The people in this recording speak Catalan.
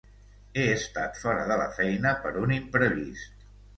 He estat fora de la feina per un imprevist.